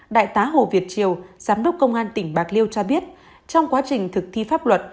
đại tá hồ việt triều giám đốc công an tỉnh bạc liêu cho biết trong quá trình thực thi pháp luật